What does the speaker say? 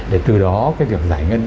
để từ đó cái việc giải quyết